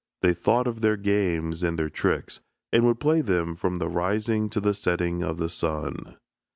They thought of their games and their tricks, and would play them from the rising to the setting of the sun.